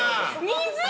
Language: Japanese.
「水」！？